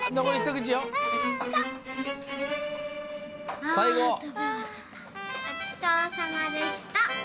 ごちそうさまでした！